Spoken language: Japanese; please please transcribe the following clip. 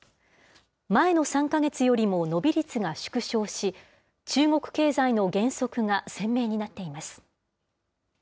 前の３か月よりも伸び率が縮小し、中国経済の減速が鮮明になっています。